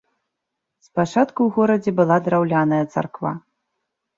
Спачатку ў горадзе была драўляная царква.